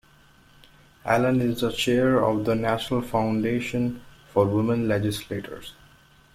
Allen is the Chair of the National Foundation for Women Legislators.